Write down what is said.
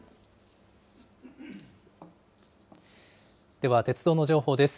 では鉄道の情報です。